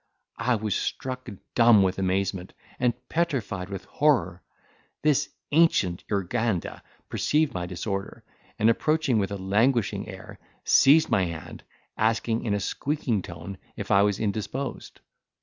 I was struck dumb with amazement, and petrified with horror! This ancient Urganda, perceived my disorder, and, approaching with a languishing air, seized my hand, asking in a squeaking tone, if I was indisposed.